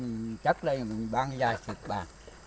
sau khi mình chắc đây mình bán cái dây thịt bàn